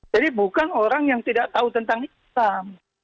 jadi bukan orang yang tidak tahu tentang islam